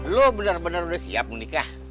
lo bener bener udah siap mau nikah